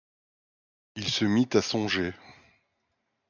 Il se mit à songer.